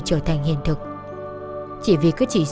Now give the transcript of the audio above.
tuy nhiên tình hình